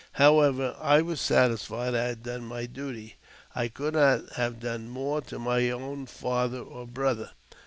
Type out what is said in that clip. However, I was satisfied I had done my duty ; could not have done more to my own father or brother.